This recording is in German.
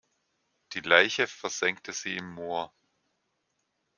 Die Leiche versenkte sie im Moor.